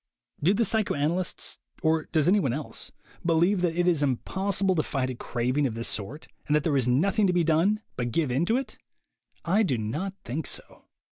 Do the psychoanalysts, or does anyone else, believe that it is impossible to fight a craving of this sort, and that there is nothing to be done but give in to it? I do not think so.